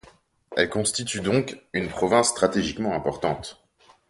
Elle constitue donc une province stratégiquement importante.